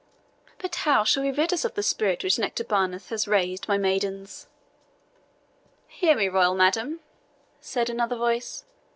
"But how shall we rid us of the spirit which Nectabanus hath raised, my maidens?" "Hear me, royal madam," said another voice.